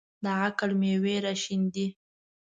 د عقل مېوې راشنېدې.